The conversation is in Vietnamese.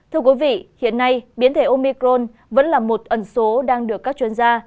thưa quý vị hiện nay biến thể omicron vẫn là một ẩn số đang được các chuyên gia